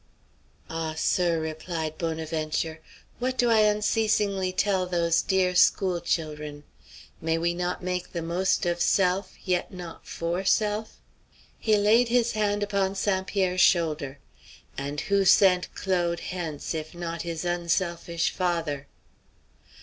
"Ah, sir!" replied Bonaventure, "what do I unceasingly tell those dear school chil'run? 'May we not make the most of self, yet not for self?'" He laid his hand upon St. Pierre's shoulder. "And who sent Claude hence if not his unselfish father?"